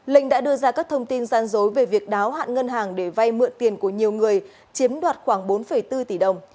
linh đã đưa ra các thông tin gian dối về việc đáo hạn ngân hàng để vay mượn tiền của nhiều người chiếm đoạt khoảng bốn bốn tỷ đồng